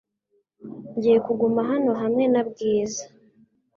Ngiye kuguma hano hamwe na Bwiza .